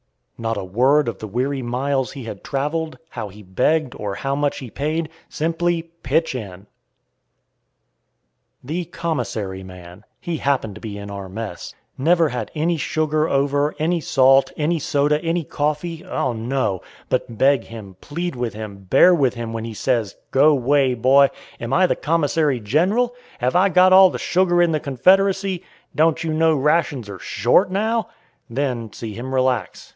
Not a word of the weary miles he had traveled, how he begged or how much he paid, simply "Pitch in." The Commissary man he happened to be in our mess never had any sugar over, any salt, any soda, any coffee oh, no! But beg him, plead with him, bear with him when he says, "Go way, boy! Am I the commissary general? Have I got all the sugar in the Confederacy? Don't you know rations are short now?" Then see him relax.